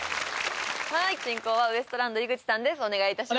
はい進行は「ウエストランド」・井口さんですお願いいたします